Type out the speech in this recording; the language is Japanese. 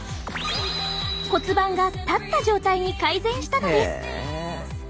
骨盤が立った状態に改善したのです。